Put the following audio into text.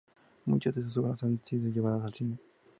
Muchas de sus obras han sido llevadas al cine.